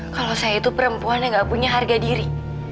kalau saya itu perempuan yang gak punya harga diri